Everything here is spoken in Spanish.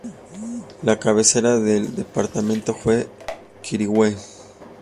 La cabecera del departamento fue Quirihue.